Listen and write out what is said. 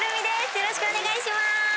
よろしくお願いします。